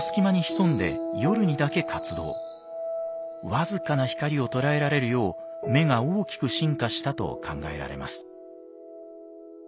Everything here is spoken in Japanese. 僅かな光を捉えられるよう目が大きく進化したと考えられます。